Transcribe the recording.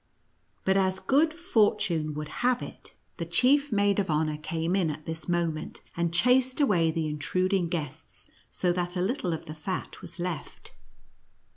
But as good fortune would have it, the chief maid of 62 NTTTCK ACKER AND MOUSE KING. honor came in at this moment, and chased away the intruding guests, so that a little of the fat was left.